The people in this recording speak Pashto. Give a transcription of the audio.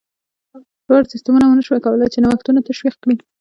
دواړو سیستمونو ونه شوای کولای چې نوښتونه تشویق کړي.